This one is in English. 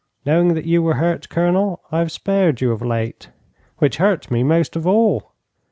Knowing that you were hurt, Colonel, I have spared you of late.' 'Which hurt me most of all.'